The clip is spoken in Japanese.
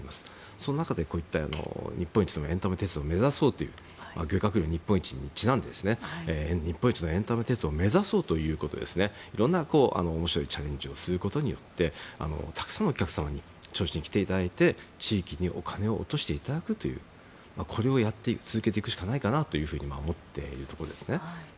その中で、こういった日本一のエンタメ鉄道を目指そうという漁獲量日本一にちなんで日本一のエンタメ鉄道を目指そうということなどいろんな面白いチャレンジをすることによってたくさんのお客様に銚子に来ていただいて地域にお金を落としていただくというこれをやり続けていくしかないかなと思っているところです。